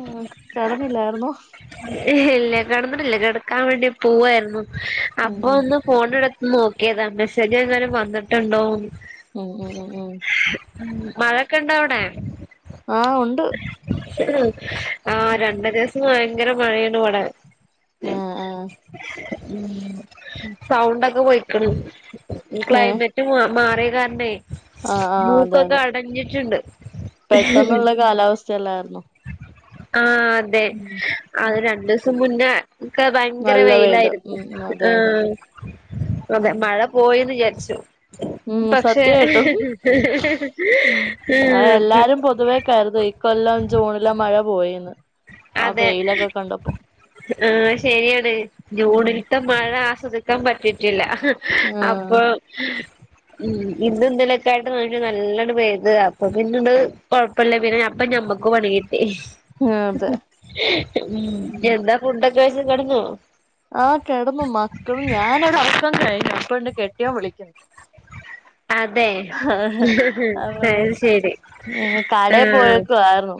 ഉം കടന്നില്ലായിരുന്നോ? ഇല്ല കിടന്നിട്ടില്ല കിടക്കാൻ വേണ്ടി- പോവായിരുന്നു അപ്പോ ഉം ഒന്ന്- ഫോണ് എടു- നോക്കിയാതാ മെസ്സേജ് എങ്ങാനും- വന്നിട്ടുണ്ടോ എന്ന്. ഉം ഉം ഉം ഉം മഴൊക്കെ ഇണ്ടോ അവിടെ? ആഹ് ഉണ്ട് ആഹാ രണ്ട ദിവസം ഭയങ്കര മഴയാണ് ഇവിടെ. ആഹ് ആഹ് ഉം സൗണ്ടൊക്കെ പോയിക്കണ്. ഇ ഏഹ് ക്ലൈമറ്റ് മാ മാറിയ കാരണേ, ആഹ് ആഹ് അതെ മൂക്കൊക്കെ അതെ അടഞ്ഞിട്ടുണ്ട്. പെട്ടെന്നുള്ള കാലാവസ്ഥയല്ലായിരുന്നോ. ആഹ അതെ ഉം ഉം അത് രണ്ടു ദിവസം മുന്നേ- ഇക്കെ ഭയങ്കര നല്ല വെയില് വെയിലായിരുന്നു. ഉം ഉം അതെ അതെ ആഹാ അതെ മഴ- പോയിന്ന് വിചാരിച്ചു. ഉം പക്ഷെ ഹ് സത്യായിട്ടും ഹ് ഹ് ഹ് ഉം ഹ് ഹ് ഹ് [inaudible] കൊല്ലം ജുണിലെ മഴ പോയിന്ന്. അതെ ആഹാ ശരിയാണ്- ഉം ജൂണിലത്ത്. മഴ ആസ്വദിക്കാൻ പറ്റിട്ടില്ല ആഹ് അപ്പോ, ഉം ഇന്ന് ഇന്നലൊക്കെ ആയിട്ട് ന്ന, നല്ലോണം പേയ്ത് അപ്പോ, പിന്നെണ്ട് കൊഴപ്പല്ല പിന്നെഞ- പ്പ ഞമക്കു പണി കിട്ടി. ആഹ് അതെ ഉം എന്താ ഫുഡൊക്കെ കഴിച്ച് കിടന്നൊ. ആഹ് കിടന്നു മക്കളും ഞാനെരു ഉറക്കം കഴിഞ്ഞു അപ്പണ്ട് കെട്ടിയൊൻ വിളിക്കുന്നു അതെ അയ് ശരി ഉം ആ കടയെ പോയേക്കുവായിരുന്നു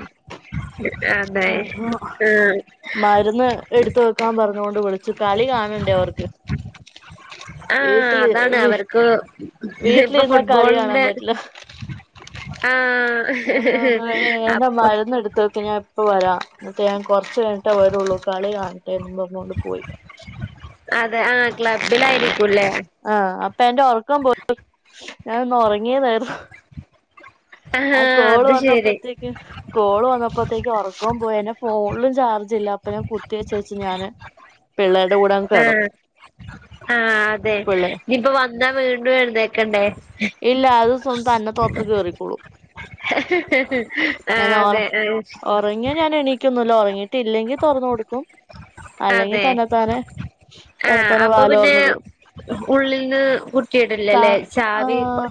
അതെ ആഹ് ആ മരുന്ന് എടുത്ത് ക്കാം പറഞ്ഞൊണ്ട് വിളിച്ചു കളി കാണണ്ടേ അവർക്ക് ആഹ വീട്ടില് അതാണ് വീ അവർക്ക് ഇപ്പൊ വീട്ടിലിരുന്നാ കളി കാണാൻ ഫുട്ബോളിന്റെ പറ്റില്ല ആഹ് അവരടെ മഴയെ എന്താ മരുന്ന് എടുത്ത് വെക്ക ഞാ ഇപ്പ വരാം എന്നിട്ട് ഞാൻ കുറച്ച് കഴിഞ്ഞിട്ടേ വരുള്ളൂ കളി കാണട്ടേന്ന് പറഞ്ഞോണ്ട് പോയി അതെ ആ ക്ലബ്ബിലായിരിക്കുംല്ലേ ആഹ് അപ്പൊ എന്റെ ഉറക്കവും പോയി ഞാൻ ഒന്ന് ഉറങ്ങിയതായിരുന്നു ആ ആഹാ കോള് അത് ശരി വന്നപ്പോഴ്ത്തെക്ക് കോള് വന്നപ്പോത്തേക്ക് ഉറക്കവും പോയി എന്റെ ഫോണിലും ചാർജ് ഇല്ല അപ്പൊ ഞാൻ കുത്തി വെച്ചേച്ച് ഞാന് [inaudible] പിള്ളേരുടെ കൂടെ അങ്ങ് ആഹ് കെടന്നു ആഹ് അതെ പിള്ളേ ഇനിയിപ്പ വന്നാ വീണ്ടും എഴുന്നേല്ക്കണ്ടേ ഇല്ല അത് സ്വന്തം തന്നെ തുറന്ന് കേറിക്കൊളും ആഹ് അതെ ഉറങ്ങിയ ഞാൻ എണീക്കൊന്നുല്ല ഉറങ്ങിട്ട് ഇല്ലെങ്കിൽ തുറന്ന് കൊടുക്കും അല്ലെങ്കി തന്നെ തനെ ആഹ അപ്പൊ പിന്നെ ഉള്ളിൽന്ന് ത കുറ്റിടില്ലല്ലേ ചാവി ആഹ്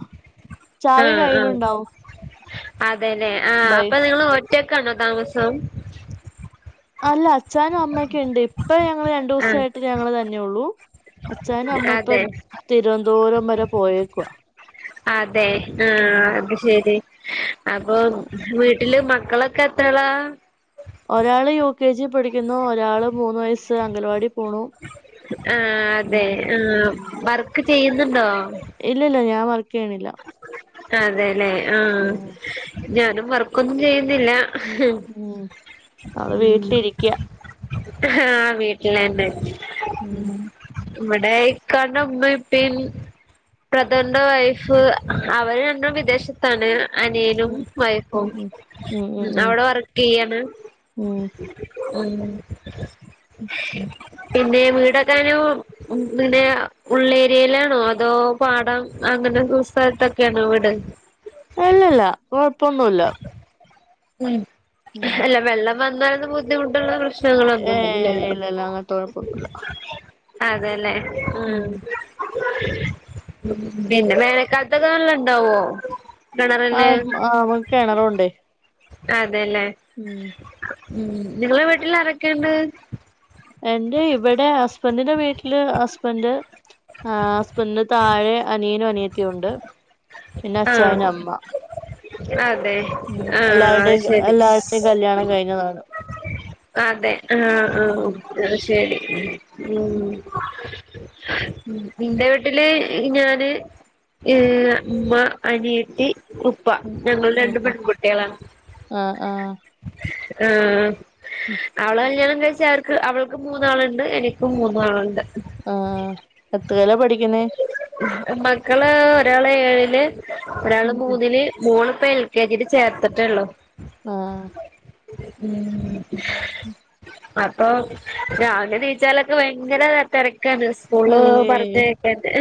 ചാവി ആഹ് ആഹ് കയ്യിലുണ്ടാവും അതേലേ ആഹ് ബൈ അപ്പൊ നിങ്ങള് ഒറ്റക്കാണോ താമസം അല്ല അച്ഛാനും അമ്മക്കെണ്ട് ഇപ്പ ഞങ്ങള് രണ്ടു ആഹ് ദിവസായിട്ട് ഞങ്ങള് തന്നെ ഉള്ളൂ അച്ഛനും അതെ അമ്മയിപ്പം തിരുവനന്തപുരം വരെ പോയേക്കുവാ അതെ ഉം ആഹ് അത് ശരി അപ്പൊ വീട്ടില് മക്കളൊക്കെ എത്രാളാ ഒരാള് യു കെ ജി പഠിക്കുന്നു ഒരാള് മൂന്ന് വയസ് ആഹ് അതെ ഉം ആഹ് വർക്ക് ചെയ്യുന്നുണ്ടോ ഇല്ല ഇല്ല ഞാൻ വർക്ക് ചെയ്യണില്ല അതെല്ലേ ആഹ് ഉം ഞാനും വർക്കൊന്നും ചെയ്യുന്നില്ല ഉം അവള് ഉം വീട്ടിലിരിക്ക്യാ ആഹ് വീട്ടിലെന്നെ ഉം ഇവിടെ ഇക്കാണ്ട് ഉമ്മിപ്പി ബ്രദർന്റെ വൈഫ് അവര് അങ്ങ് വിദേശത്ത് ആണ് അനിയനും ഉം ഉം വൈഫും ഉം ഉം ഉം ഉം അവിടെ വർക്ക് ചെയ്യാണ് ഉം ഉം പിന്നെ വീടെക്കാനും ങ്ങനെ ഉള്ളേരിയേലാണോ അതോ പാടം അങ്ങനെ സ്ഥൽത്തൊക്കേണോ വീട് അല്ലല്ല കൊഴപ്പൊന്നുല്ല ഉം അല്ല വെള്ളം വന്നാലന്ന ബുദ്ധിമുട്ടുള്ള പ്രശ്നം പ്രശ്നങ്ങളൊന്നും ഏഹ് ഇല്ലല്ലോ ഇല്ലല്ല അങ്ങനത്തെ കൊഴപ്പൊന്നുല്ല അതെല്ലേ ഉം പിന്നെ വേനൽ കാല [unintelligible] കാണലുണ്ടാവോ ആഹ് ആഹ് ഓൽക്ക് കെണറുണ്ട് അതെല്ലേ ഉം ഉം നി ങ്ങളെ വീട്ടിൽ ആരൊക്കെണ്ട് എന്റെ ഇവിടെ ഹസ്ബന്റിന്റെ വീട്ടില് ഹസ്ബന്റ് ആഹ് ഹസ്ബൻഡിന്റെ താഴെ അനിയനും അനിയത്തിയും ഉണ്ട് പിന്നെ ആഹ് അച്ചായനും അമ്മ അതെ ഉം ആഹ് എല്ലാവരുടെയും അഅ്ശരി എല്ലാവരുടെയും കല്യാണം കഴിഞ്ഞതാണ് അതെ ആഹ് ആഹ് ഉം അഅ്ശരി ഉം ഇന്റെ വീട്ടില് ഞാന് ഏഹ് ഉമ്മ അനിയത്തി ഉ ഉപ്പ ഞങ്ങള് ഉം രണ്ട് ഉം പെൺകുട്ടിയളാണ് ആഹ് ആഹ് ആഹ് അവള കല്യാണം കഴിച്ച അവർ ക്ക് അവൾക്ക് മൂന്നാളുണ്ട് എനിക്കും മൂന്നാളുണ്ട് ആഹ് എത്രേലാ പഠിക്കുന്നേ മക്കള് ഒരാള് ഏഴില് ഒരാള് മൂന്നില് മോള്പ്പ എൽ കെ ജീല് ചേർത്തിട്ടെള്ളോ ആഹ് ഉം ഉം അപ്പൊ രാവിലെ നീച്ചാലൊക്കെ ഭയങ്കര തെരക്കാണ് ഓള് പർദേക്കെട്ട്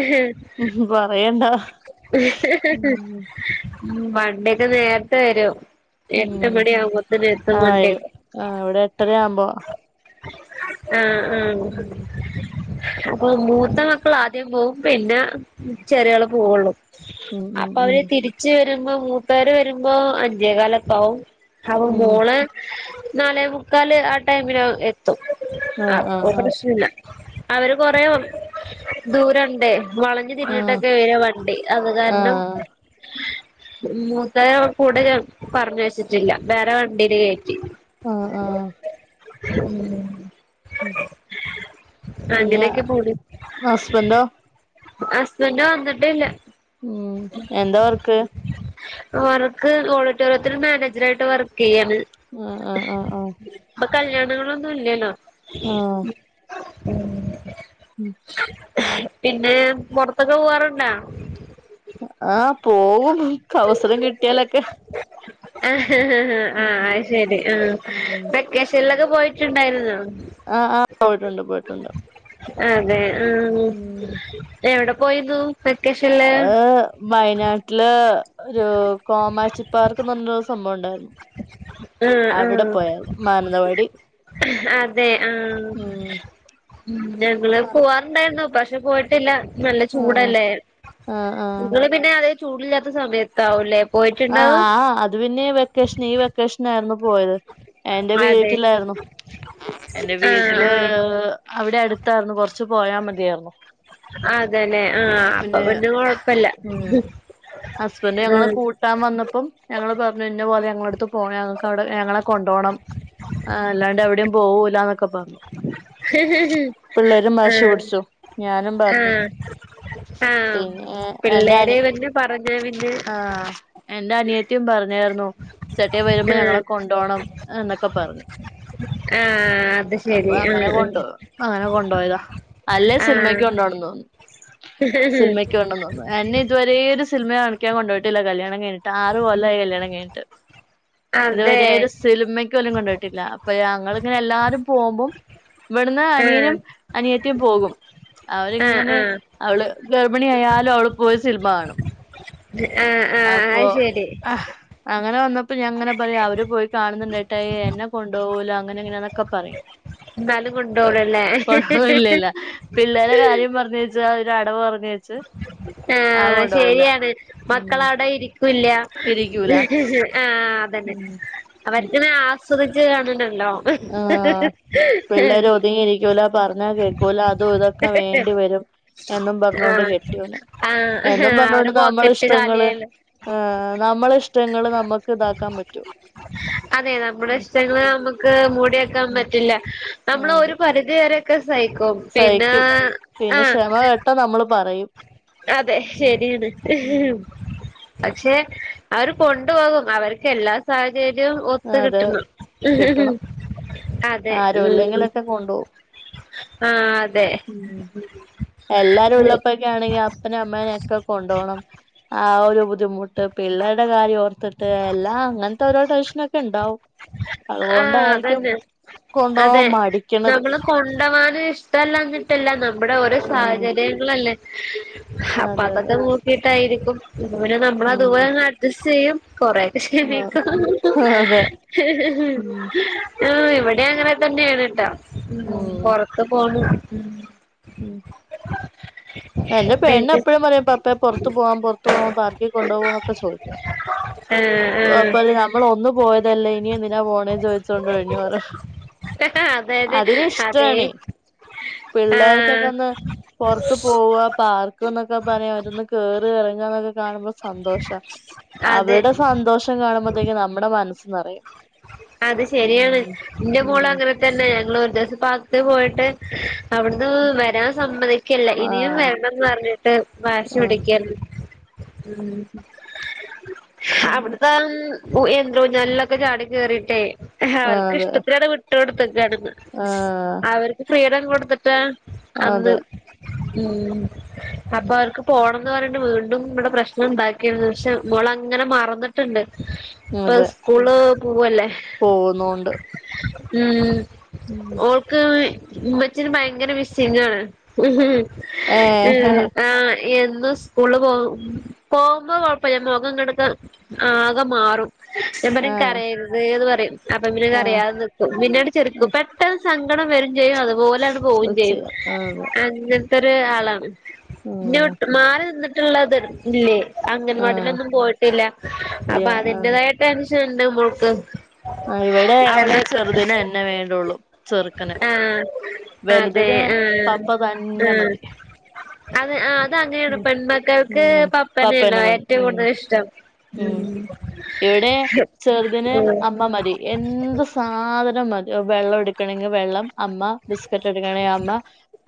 പറയണ്ടാ വണ്ടിയൊക്കെ നേരത്തെ വരും എട്ട് ഉം മണി ആകുമ്പോത്ത്നെത്തും ആഹ് കൊണ്ടേക്കും ആഹ് ഇവിടെ എട്ടര ആവുമ്പോ ആഹ് ആഹ് ഉം അപ്പൊ മൂത്ത മക്കള അദ്യം പോകും പിന്നെ ചെറിയോള് പോവുള്ളൂ ഉം ഉം അപ്പൊ ഉം അവര് തിരിച്ച് വരുമ്പോ മൂപ്പേര് വരുമ്പോ അഞ്ചേ കാലൊക്കാവും അപ്പൊ ഉം മോള് നാലേ മുക്കാല് ആ ടൈമ്ന് എത്തും ആഹ് അപ്പൊ ആഹ് പ്രശ്നല്ല അവര് കൊറേ ദൂരണ്ട് വളഞ്ഞ് തിര്ഞ്ഞിട്ട ആഹ് ക്കെ വെര വണ്ടി അത് കാരണം ആഹ് മൂത്തേനെ കൂടെ പറഞ്ഞയച്ചിട്ടില്ല വേറെ വണ്ടിയില് കേ ആഹ് ആഹ് ഉം പിന്നെ അങ്ങനെയൊക്കെ പോണ് ഹസ്ബൻഡോ ഹസ്ബൻഡ് വന്നിട്ടില്ല ഉം എന്താ വർക്ക് അവർക്ക് ഓഡിറ്റോറിയത്തിൽ മാനേജർ ആയിട്ട് വർക്ക് ചെയ്യാണ് ആഹ് ആഹ് ആഹ് ആഹ് ഇപ്പൊ കല്ല്യാണങ്ങളൊന്നും ഇല്ലല്ലോ ആഹ് ഉം ഉം പിന്നെ പുറത്തൊക്കെ പോവാറുണ്ടാ ആഹ് പോവും അവസരം കിട്ടിയാലൊക്കെ ആഹ് ആഹ് അയ്ശെരി ആഹ് ഉം വെക്കേഷന്ലൊക്കെ പോയിട്ടുണ്ടായിരുന്നോ ആഹ് ആഹ് പോയിട്ടുണ്ട് പോയിട്ടുണ്ട് അതെ ആഹ് ഉം എവിടെ പോയിരുന്നു വെക്കേഷനില് ആഅ് വയനാട്ടില് ഒരു കോമാച്ചി പാർക്ക്ന്ന് പറഞ്ഞരു സംഭവം ഉണ്ടായിരുന്നു ആ ആ അവിടെ പോയര്ന്നു മാനന്തവാടി അതെ ആഹ് ഉം ഞങ്ങള് ആഹ് പോവാറുണ്ടായിരുന്നു പക്ഷെ പോയി ട്ടില്ല നല്ല ചൂടല്ലേ ആഹ് ആഹ് നിങ്ങള് പിന്നെ അതേ ചൂടല്ലാത്ത സമയത്ത് ത്താവുല്ലേ പോയിട്ട് ആഹ് ആ അത് പിന്നെ വെക്കേഷൻ ഈ വെക്കേഷനായിരുന്നു പോയത് എന്റെ അതെ വീട്ടിലായിരുന്നു എൻ്റെ ആ വീട്ടില് അവിടെ അടുത്തായിരുന്നു കൊറച്ച് പോയാ മതിയായിരുന്നു അതന്നെ ആഹ് അപ്പൊ പിന്നെ കൊഴപ്പല്ല ഉം ഉം ട്ടാൻ വന്നപ്പം ഞങ്ങള് പറഞ്ഞു ഇന്ന പോലെ ഞങ്ങളടുത്ത് പോ ഞങ്ങക്ക് അവിടെ ഞങ്ങളെ കൊണ്ടോണം ആഹ് അല്ലാണ്ട് എവിടെയും പോവൂലന്നൊക്കെ പറഞ്ഞു പിള്ളേരും ആ വശി പിടിച്ചു ആ ഞാനും പറഞ്ഞു ആ ആ പിന്നെ പിള്ളേര് എൻ്റനി പിന്നെ പറഞ്ഞ പിന്നെ ആഹ് എന്റെ അനിയത്തിയും പറഞ്ഞായിരുന്നു ചെട്ടിയ വരുമ്പോ ആഹ് ഞങ്ങളെ കൊണ്ടോണം എന്നൊക്കെ പറഞ്ഞു ആഹ് അത് അപ്പൊ ശരി അങ്ങനെ ആഹ് കൊണ്ട് അങ്ങനെ കൊണ്ടോയതാ അല്ലേ ആഹ് സിനിമയ്ക്ക് കൊണ്ടോണംന്ന് സിനിമയ്ക്ക് കൊണ്ടോണംന്ന് [unintelligible] എന്നെ ഇതുവരെ ഒരു സിനിമ കാണിക്കാൻ കൊണ്ടുപോയിട്ടില്ല കല്യാണം കഴിഞ്ഞിട്ട് ആറ് കൊല്ലായി കല്യാണം കഴിഞ്ഞിട്ട് ഇത് അതെ ഒരേ ഒരു സിനിമക്ക് പോലും കൊണ്ടോയിട്ടില്ല അപ്പൊങ്ങനെ എല്ലാരും പോവുമ്പം ഇവ്ടുന്ന് ആഹ് അനിയനും അനിയത്തിയും പോകും ആഹ് അവരിങ്ങനെ ആഹ് ആഹ് അവള് ഗർഭിണിയായാലും അവള് പോയി സിനിമ കാണും ആഹ് ആഹ് അപ്പൊ അയിശരി ആഹ് അങ്ങനെ വന്നപ്പോ ഞാൻങ്ങനെ പറയു അവര് പോയി കാണുന്നുണ്ടേട്ടായി എന്നെ കൊണ്ടുപോവൂല അങ്ങനെങ്ങനൊക്കെ പറയും എന്നാലും കൊണ്ടോളൂല്ലേ കുഴപ്പില്ലല്ല പിള്ളേരെ കാര്യം പറഞ്ഞി [unintelligible] ഒരു അടവ് പറഞ്ഞച്ച ആഹ് ശരിയാണ് ഉം മക്കള അവിടെ ഇരിക്കും ക്കുല്ല ഇരിക്കൂല ആഹ് അതന്നെ ഉം ഉം അവർക്ക്നെ ആസ്വദിച്ച് കാണണല്ലോ ആഹ് പിള്ളേര് ഒതുങ്ങിയിരിക്കൂല പറഞ്ഞാൽ കേൾക്കൂല അതും ഇതൊക്കെ വേണ്ടിവരും എന്നും പറ [unintelligible] ആഹ് കെട്ടിയുല ആഹ് എന്നും പറഞ്ഞോണ്ട് അവരെ നമ്മള പോക്കറ്റ് ഇഷ്ടങ്ങള് കാലിയായല്ലോ നമ്മള ഇഷ് ട്ടങ്ങള് നമുക്ക് ഇതാക്കാൻ പറ്റോ അതെ നമ്മുടെ ഉം ഇഷ്ടങ്ങള് നമ്മുക്ക് മൂടി വെകാൻ ഉം പറ്റില്ല നമ്മള് ആഹ് ഒരു അതെ പരിധി വരെക്ക സഹിക്കും പിന്നെ സഹിക്കും പിന്നെ ആഹ് [unintelligible] നമ്മള് പറയും അതെ ഉം ശരിയാണ് ഉം [unintelligible] പക്ഷെ അവര് കൊണ്ടുപോകും അവർക്ക് എല്ലാ സാഹചര്യവും ഒത്ത് അത് കിട്ടണം കിട്ടണം [unintelligible] അതെ ആരും ഉം ഇല്ലെങ്കിലൊക്കെ കൊണ്ടുപോകും ആഹ് അതെ ഉം [unintelligible] എനിക്കാണെങ്കി അപ്പനേം അമ്മേനെം ഒക്കെ കൊണ്ടുപോണം ആഹ് ഒരു ബുദ്ധിമുട്ട് പിള്ളേരുടെ കാര്യം ഓർത്തിട്ട് എല്ലാം അങ്ങനത്തെ ഓരോ ടെൻഷനൊക്കെ ഉണ്ടാവും ആഹ് അതുകൊണ്ടായിരിക്കും കൊണ്ടുപോകാൻ മടി നമ്മളെ കൊണ്ടൊവാന് ഇഷ്ടല്ലാനിട്ടല്ല നമ്മുടെ ഓരോ ആഹ് സാഹചര്യങ്ങളല്ലേ അപ്പൊ അതെ അതെ അതൊക്കെ നോക്കിട്ടായിരിക്കും പിന്നെ നമ്മള അതുപോലെ ഉം അത് ചെയ്യും കൊറെക്കെ ആ, ക്ഷമിക്കും അതെ [unintelligible] ഉം ആഹ് ഇവിടെ അങ്ങനെ തന്നെയാണെട്ടാ ഉം പൊറത്ത് പോണ് ഉം [unintelligible] എന്റെ പണ്ണ് പിന്നെ എപ്പഴും പറയും പപ്പേ പുറത്ത് പോവാം പുറത്ത് പോവാം പാർക്കി കൊണ്ട് പൊകുവൊക്കെ ചോദിക്കും ആ അപ്പപറിയും നമ്മള് ഒന്നു പോയതല്ലേ ഇനി എന്തിനാ പോ ണെന്ന് ചോദിച്ചോണ്ട് ഒഴിഞ്ഞ് മാറും ആ അതെ അതെ അതിന് അതെ ഇഷ്ടാണ് ആ പിള്ളേർക്കൊക്കെ ഒന്ന് പൊറത്ത് പോവ പാർക്ക് എന്നൊക്കെ പറയാ അവരൊന്ന് കേറി എറങ്ങാ എന്നൊക്കെ കാണുമ്പോ സന്തോഷാ അതെ അവരുടെ സന്തോഷം കാണുമ്പോത്തേക്കും നമ്മുടെ മനസ്സന്നിറയും അത് ശരിയാണ് ഇന്റെ മോള് ഉം അങ്ങനെ തന്നെ ഞങ്ങള് ഒരു ദിവസം പാർകില് പോയിട്ട് അവിടുന്ന് വരാൻ സമ്മതി കില്ല ഇനിയും ആഹ് വരണംന്ന് പറഞ്ഞിട്ട് വാശി ആഹ് പിടിക്കേരുന്നു ഉം അവിടത്തെ യന്ത്രോഞ്ഞാലിലൊക്കെ ചാടി കേറീട്ടേ ആഹ് ആൾക്ക് അതെ ഇഷ്ടത്തിലത് വിട്ടു കൊടുത്തെക്കാണന്ന് ആഹ് ഫ്രീഡം കൊടുത്തിട്ട് അന്ന് അതെ ഉം അപ്പ അൾക്ക് പോണം ന്ന് പറഞ്ഞട്ട് വീണ്ടും ഇവിടെ പ്രശ്നം ഉണ്ടാക്കിരുന്നു പക്ഷെ ഓള് അങ്ങനെ മറന്നിട്ടുണ്ട് ഇപ്പ സ്കൂള് പൊവല്ലേ പോകുന്നൊണ്ട് ഉം ഓൾക്ക് ഉമ്മച്ചിനെ ഭയങ്കര മിസിംഗാണ് ഏഹ് ആഹ് എന്നും സ്കൂള് പോ പോകുമ്പോ കൊഴപ്പൊല്ല മുഖം [unintelligible] ആകെ മാറും ഞാൻ പറയും ആഹ് കരയരുതേന്ന് പറയും അപ്പൊ ഇങ്ങനെ ആഹ് അറിയാതെ നിക്കും പിന്നീട് ചിരിക്കും പെട്ടെന്ന് സങ്കടം വരും ചെയ്യും അതുപോലെങട് പോവും ചെയ്യും ആതെ ഒരു ആളാണ് ഉം [unintelligible] മാറി നിന്നിട്ടുള്ളത് ഇല്ലേ ആഹ് അംഗനവാടിലൊന്നും പോയിട്ടില്ല അപ്പൊ ആഹ് അതിന്റെതായിട്ട് ടെൻഷനുണ്ട് മൊൾക്ക് ആ ഇവിടെ എന്റെ ചെറുതിന് എന്നെ വേണ്ടുള്ളൂ ചെറുക്കന് ആഹ് അതെ വലുതിന് ആഹ് പപ്പ തന്നെ മതി ആഹ് അത് ആ അത് അങ്ങനെയാണ് ഉം പെൺമക്കൾക്ക് ഉം പപ്പനയല്ലോ പപ്പന്നെ മതി ഏറ്റവും ഉം കൂടുതൽ ഇഷ്ടം ഉം ഇവിടെ [unintelligible] ചെറുതിന് അമ്മ മതി എന്ത് സാധനം മതി വെള്ളം എടുക്കണെങ്കിൽ വെള്ളം അമ്മ ബിസ്ക്കറ്റ് എടുക്കണേ അമ്മ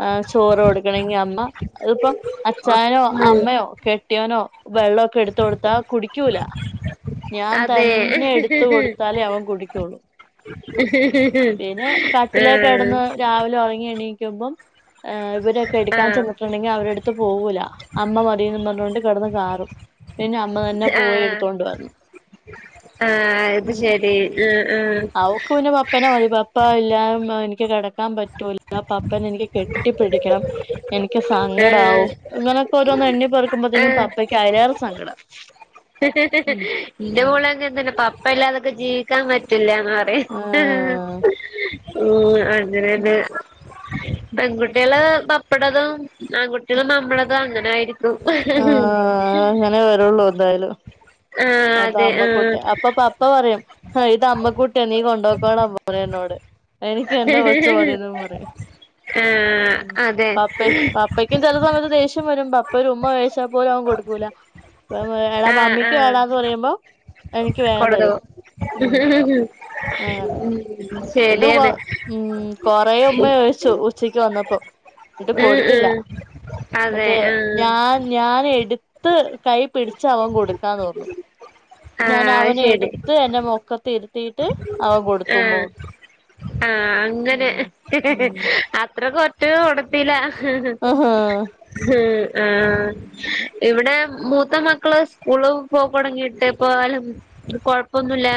ആ ചോറ് കൊടുകണെങ്കിൽ അമ്മ അതിപ്പം അച്ചയനോ ഉം അമ്മയോ കെട്ടിയനോ വെള്ളൊക്കെ എടുത്ത കൊടുത്താ കുടിക്കൂല ഞാൻ അതെ തന്നെ എടുത്ത് കൊടുത്താലേ അവൻ കുടിക്കുള്ളൂ പിന്നെ കട്ടിലേ കിടന്ന് [unintelligible] രാവിലെ ഉറങ്ങി എണീക്കുമ്പം ഏ ഇവരൊക്കെ എടുക്കാൻ ആഹ് ചെന്നിട്ടുണ്ടെങ്കിൽ അവരെടുത്ത് പോവൂല്ല അമ്മ മതീന്ന് പറഞ്ഞുകൊണ്ട് കിടന്ന് കാറും പെന്നെ അമ്മ തന്നെ പോയി ആഹ് എടുത്തോണ്ട് വന്നു ആഹ് അത് ശരി ആഹ് അവു ക്കു പപ്പനെ മതി പപ്പ ഇല്ലാ എനിക്ക് കിടക്കാൻ പറ്റും [unintelligible] പപ്പനെ എനിക്ക് കെട്ടി പിടിക്കണം എനിക്ക് സ്, സങ്കടമാവും ആഹ് ഇങ്ങനൊക്കെ രോന്നന്ന് എണ്ണി പെറുക്കുമ്പോഴത്തേക്കും പപ്പയ്ക്ക് അതിലേറെ സങ്കട ന്റെ മോള അങ്ങനതന്നെയാ പപ്പ ഇല്ലാതൊക്കെ ജീവിക്കാൻ പറ്റില്ലന്ന് പറ, ആഹ് [unintelligible] മ് അങ്ങനെന്നെ പെൺകുട്ടികള് പപ്പടേതും ആൺകുട്ടികൾ നമ്മടെതും അങ്ങനെ ആയിരിക്കും ആഹ് അങ്ങനെ വരുള്ളൂ എന്തായാലും ആഹ് അത,, അതെ ആഹ് അമ്മക്കൂട്ടി അപ്പ അപ്പ പറയും ഇത് അമ്മക്കുട്ടിയ നീ കൊണ്ടകോളപറയും എന്നോട് എനിക്ക് എന്റെ കൊച് മതിന്ന് പറയും ആഹ് മ് അതെ പപ്പ പാപ്പയ്ക്കും ചില സമയത്ത് ദേഷ്യം വരും പപ്പൊരു ഉമ്മ ചോദിച്ചാൽ പോലും അവൻ കൊടുക്കൂല ഇപ്പം എടാ ആഹ് മമ്മിക്ക് ആഹ് തടാന്ന് പറയുമ്പോ എനിക്ക് വേഗം തരും ഹ് ഉം ഹ് ഹ് അങ്ങനെ മ് ശരിയാണ് മ് കൊറെ ഉമ്മ ചോദിച്ചു ഉച്ചയ്ക്ക് വന്നപ്പോ ന്നിട്ട് ഉം കൊടുത്തില്ല ഉം അതെ ന്നിട്ട് ആഹ് ഞാൻ ഞാൻ എടു ത്ത് കൈ പിടിച് അവൻ കൊടുക്കാന്ന് പറഞ്ഞു ഞാൻ ആഹ് അത് അവനെ ശരി എടുത്ത് എന്റെ മൊ ക്കത്ത്രുത്തിട്ട് അവൻ കൊടുത്തുമ്മ കൊടുത്തു ആഹ അങ്ങനെ ഉം ഉം അത്ര കൊ [unintelligible] ആഹാ ഇവിടെ മൂത്ത മക്കള് സ്കൂള് പോക്കു തുടങ്ങിയിട്ട് [unintelligible] കൊഴപ്പൊന്നുല്ല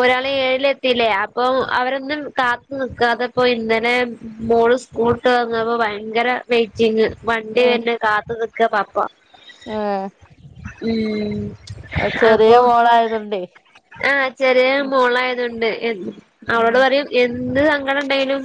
ഒരാള ഏഴിലെത്തില്ലേ അപ്പൊ അവരൊന്നും കാത്തു നിക്കതെപ്പോ ഇന്നലെ മോള് സ്കൂള്ട്ട് വന്നപ്പൊ ഭയങ്കര വൈറ്റിങ് വണ്ടി വന്നത് കാത്തു നിക്കാ പപ്പ ആഹ് ഉം അത് ചെറിയ അപ്പൊ മോളായതുണ്ടേ ആഹ് ചെറിയ മോളായതൊണ്ട് എൻ ഉം അവള് പറയും എന്ത് സങ്കടം ഇണ്ടങ്കിലും